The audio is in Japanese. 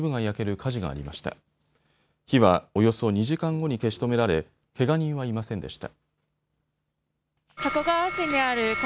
火はおよそ２時間後に消し止められけが人はいませんでした。